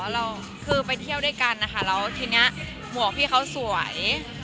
เราคือไปเที่ยวด้วยกันนะคะแล้วทีนี้หมวกพี่เขาสวย